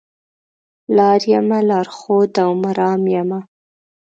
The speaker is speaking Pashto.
لار یمه لار ښوده او مرام یمه